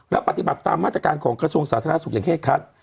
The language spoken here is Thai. และปฏิบัติตามมาตรการของกระทรวงสาธารณสุขอย่างเคร่งคัด